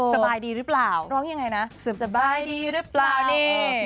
สบายดีหรือเปล่าร้องยังไงนะเสริมสบายดีหรือเปล่านี่